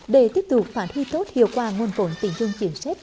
để tiếp tục phản huy tốt hiệu quả nguồn phổn tỉnh dung chiến sách